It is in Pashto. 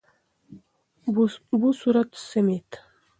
بوسورت سمیت :